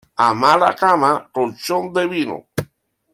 A mala cama, colchón de vino.